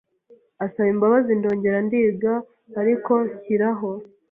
asaba imbabazi ndongera ndiga ariko nshyiraho